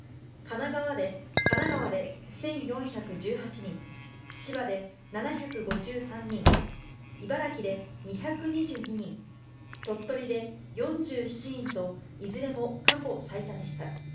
神奈川で１４１８人、千葉で７５３人、茨城で２２２人、鳥取で４７人と、いずれも過去最多でした。